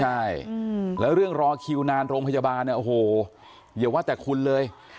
ใช่แล้วเรื่องรอคิวนานโรงพยาบาลเนี่ยโอ้โหอย่าว่าแต่คุณเลย